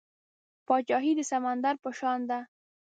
پاچاهي د سمندر په شان ده .